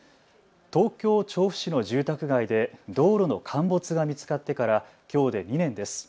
東京調布市の住宅街で道路の陥没が見つかってからきょうで２年です。